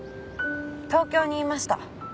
東京にいました。